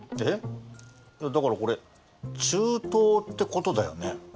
だからこれ中東ってことだよね？